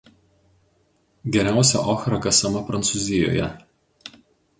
Geriausia "ochra" kasama Prancūzijoje.